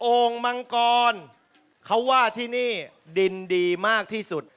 ่งมังกรเขาว่าที่นี่ดินดีมากที่สุด